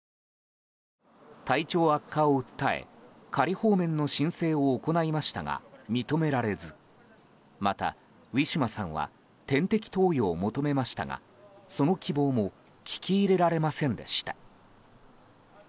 体調悪化を訴え仮放免の申請を行いましたが認められずまた、ウィシュマさんは点滴投与を求めましたがその希望も聞き入れられませんでした。